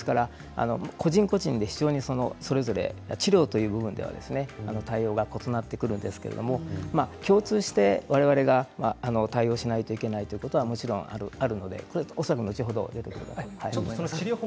個人個人で非常にそれぞれ治療という部分では対応が異なってくるんですけれど共通して我々が対応しないといけないということはもちろんありますのでそれは後ほど出てくるかと思います。